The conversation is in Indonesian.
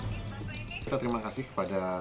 kita terima kasih kepada